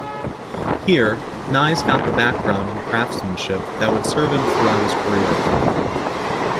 Here Nys got the background and craftmanship that would serve him throughout his career.